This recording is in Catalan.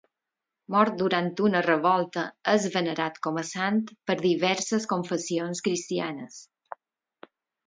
Mort durant una revolta, és venerat com a sant per diverses confessions cristianes.